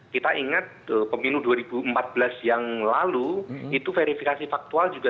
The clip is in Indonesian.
kita ingat pemilu dua ribu empat belas yang lalu itu verifikasi faktual juga